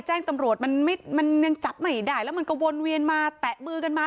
แจ้งตำรวจมันยังจับไม่ได้แล้วมันก็วนเวียนมาแตะมือกันมา